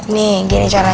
nih gini caranya